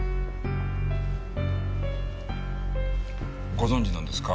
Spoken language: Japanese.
ご存じなんですか？